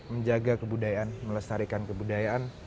menjaga kebudayaan melestarikan kebudayaan